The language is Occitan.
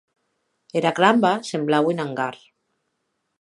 Era cramba semblaue un angar.